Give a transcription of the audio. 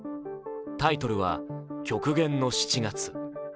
タイトルは「極限の７月」。